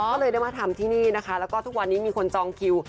ก็เลยได้มาทำที่นี่นะคะแล้วก็ทุกวันนี้มีคนจองคิว